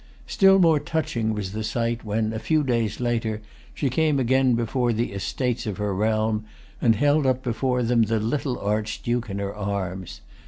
Still more touching was the sight when, a few days later, she came again before the Estates of her realm, and held up before them the little Archduke in her arms.